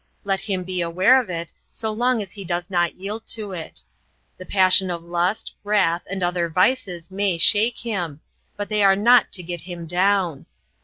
Let him be aware of it so long as he does not yield to it. The passion of lust, wrath, and other vices may shake him, but they are not to get him down.